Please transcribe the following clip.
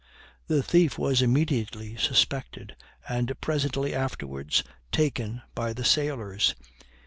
The thief was immediately suspected, and presently afterwards taken by the sailors.